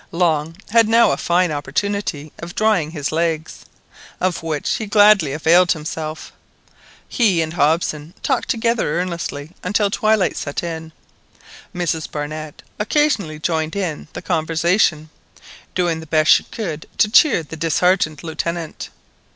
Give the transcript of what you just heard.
Long had now a fine opportunity of drying his legs, of which he gladly availed himself. He and Hobson talked together earnestly until twilight set in, and Mrs Barnett occasionally joined in the conversation, doing the best she could to cheer the disheartened Lieutenant.